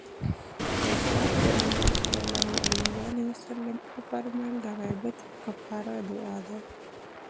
د اسلام پيغمبر ص وفرمايل د غيبت کفاره دعا ده.